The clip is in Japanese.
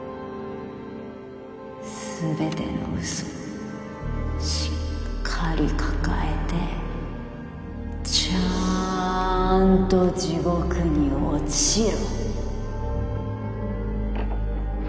すべてのうそをしっかり抱えてちゃんと地獄に落ちろ。